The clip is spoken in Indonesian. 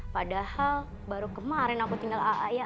padahal baru kemarin aku tinggal a'a yaa